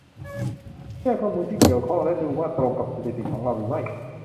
แยกข้อมูลที่เกี่ยวข้องและดูว่าตรงกับสถิติของเราหรือไม่